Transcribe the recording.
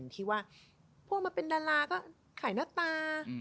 ที่ว่าพวกมาเป็นดาราก็ขายหน้าตา